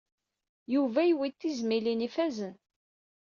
Yuba yuwey-d tizmilin ifazen.